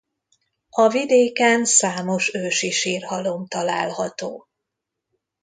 A vidéken számos ősi sírhalom található.